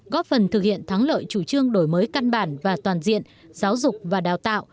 góp phần thực hiện thắng lợi chủ trương đổi mới căn bản và toàn diện giáo dục và đào tạo